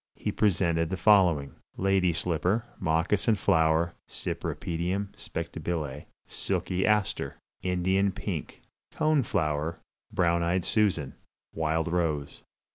He presented the following: Lady Slipper (Moccasin Flower Cypripedium Spectabile). Silky Aster. Indian Pink. Cone Flower (Brown eyed Susan). Wild Rose.